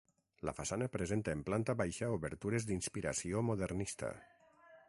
La façana presenta en planta baixa obertures d'inspiració modernista.